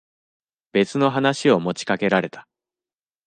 別の話を持ちかけられた。